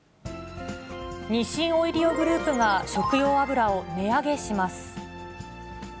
日清オイリオグループが、食用油を値上げします。